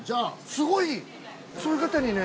すごい！そういう方にね